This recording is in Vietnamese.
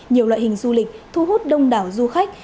nhiều loại hình du lịch thu hút đông đảo du khách